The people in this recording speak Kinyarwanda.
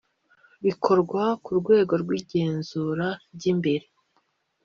bikorwa ku rwego rw igenzura ry imbere